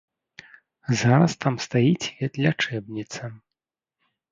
Зараз там стаіць ветлячэбніца.